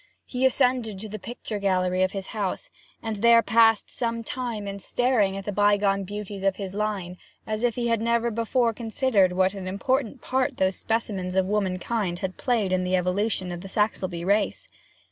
He ascended to the picture gallery of his castle, and there passed some time in staring at the bygone beauties of his line as if he had never before considered what an important part those specimens of womankind had played in the evolution of the Saxelbye race.